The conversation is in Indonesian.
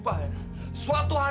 kita tuh masih butuh diri